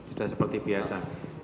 sudah seperti biasa